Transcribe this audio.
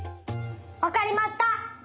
わかりました！